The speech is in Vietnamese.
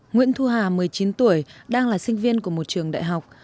nguyễn thu hà một mươi chín tuổi đang là sinh viên của một trường đại học